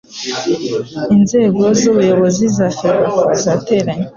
Inzego z Ubuyobozi za ferwafa zateranye